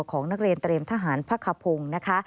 ของนักเรียนเตรียมทหารพักขพงศ์นะคะ